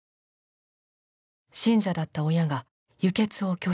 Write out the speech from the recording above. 信者だった親が輸血を拒否。